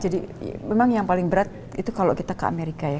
jadi memang yang paling berat itu kalau kita ke amerika ya